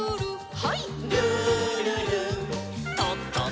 はい。